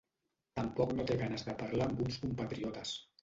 Tampoc no té ganes de parlar amb uns compatriotes.